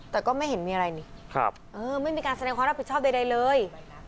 แต่ก็ไม่เห็นมีอะไรนี่ไม่มีการแสดงความรับผิดชอบใดเลย